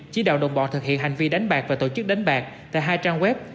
chỉ đạo đồng bọn thực hiện hành vi đánh bạc và tổ chức đánh bạc tại hai trang web